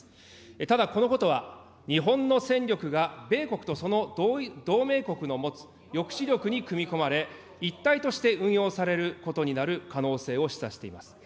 ただ、このことは、日本の戦力が、米国とその同盟国の持つ抑止力に組み込まれ、一体として運用されることになる可能性を示唆しています。